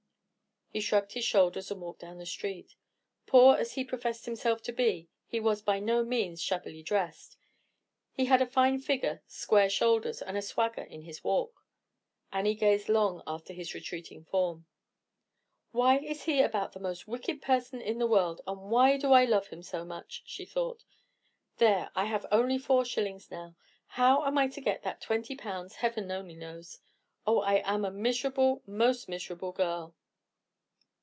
He shrugged his shoulders, and walked down the street. Poor as he professed himself to be, he was by no means shabbily dressed. He had a fine figure, square shoulders, and a swagger in his walk. Annie gazed long after his retreating form. "Why is he about the most wicked person in the world, and why do I love him so much?" she thought. "There, I have only four shillings now. How I am to get that twenty pounds Heaven only knows. Oh, I am a miserable, most miserable girl!"